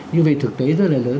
như vậy thực tế rất là lớn